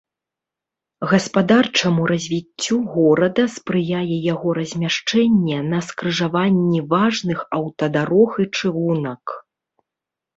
Гаспадарчаму развіццю горада спрыяе яго размяшчэнне на скрыжаванні важных аўтадарог і чыгунак.